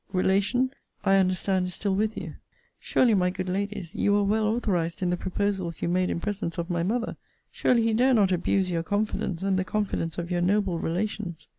] relation I understand is still with you. Surely, my good Ladies, you were well authorized in the proposals you made in presence of my mother! Surely he dare not abuse your confidence, and the confidence of your noble relations!